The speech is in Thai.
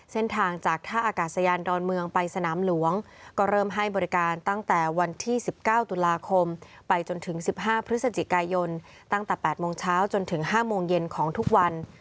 เส้นทางจากท่าอากาศยานดอนเมืองไปสนามหลวงก็เริ่มให้บริการตั้งแต่วันที่๑๙ตุลาคมไปจนถึง๑๕พฤศจิกายนตั้งแต่๘โมงเช้าจนถึง๕โมงเย็นของทุกวัน